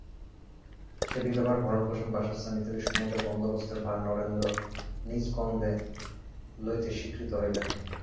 সে বিধবার ভরণপোষণ বাসস্থান ইত্যাদি সমুদয় বন্দোবস্তের ভার নরেন্দ্র নিজ স্কন্ধে লইতে স্বীকৃত হইলেন।